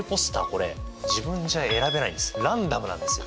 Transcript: これ自分じゃ選べないんですランダムなんですよ。